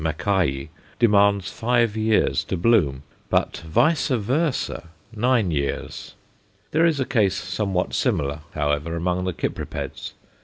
Mackayi_ demands five years to bloom, but vice versâ nine years. There is a case somewhat similar, however, among the Cypripeds. _C.